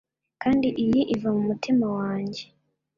Kandi iyi iva mu mutima wanjye